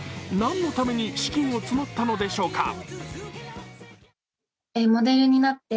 何のために資金を募ったのでしょうか？